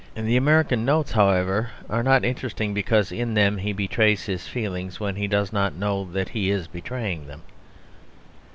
The American Notes are, however, interesting, because in them he betrays his feelings when he does not know that he is betraying them.